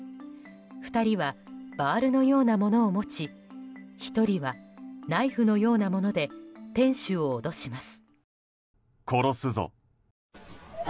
２人はバールのようなものを持ち１人はナイフのようなもので店主を脅します。